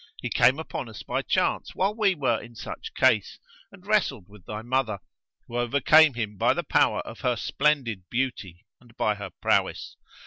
He came upon us by chance while we were in such case, and wrestled with thy mother, who overcame him by the power of her splendid beauty and by her prowess.